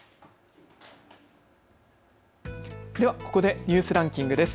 ではここでニュースランキングです。